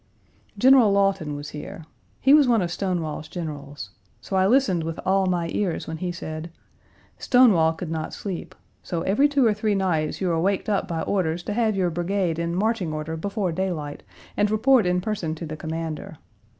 General Lawton was here. He was one of Stonewall's generals. So I listened with all my ears when he said: "Stonewall could not sleep. So, every two or three nights you were waked up by orders to have your brigade in marching order before daylight and report in person to the Commander.